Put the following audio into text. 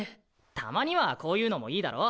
たまにはこういうのもいいだろ。